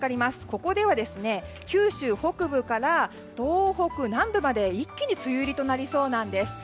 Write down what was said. ここでは九州北部から東北南部まで一気に梅雨入りとなりそうなんです。